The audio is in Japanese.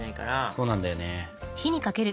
そうなんだよね。